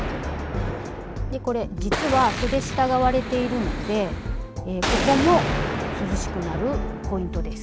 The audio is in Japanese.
これ実はそで下が割れているのでここも涼しくなるポイントです。